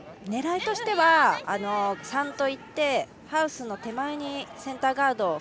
狙いとしては、３といってハウスの手前にセンターガード